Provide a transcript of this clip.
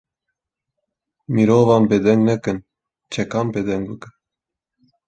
Mirovan bêdeng nekin, çekan bêdeng bikin